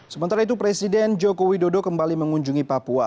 sementara itu presiden jokowi dodo kembali mengunjungi papua